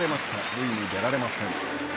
塁に出られません。